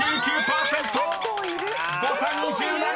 ［誤差２７！